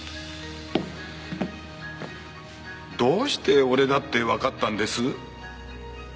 どうして俺だってわかったんです？